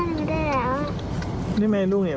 อีกด้านไม่ได้แล้ว